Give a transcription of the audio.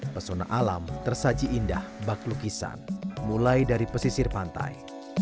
pesona alam tersaji indah baklukisan mulai dari pesisir pantai